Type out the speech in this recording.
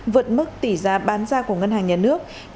vượt mức tỷ giá bán ra của ngân hàng nhà nước